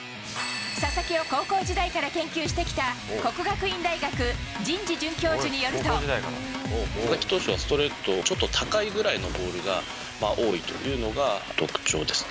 佐々木を高校時代から研究してきた國學院大學、佐々木投手はストレート、ちょっと高いぐらいのボールが多いというのが特徴です。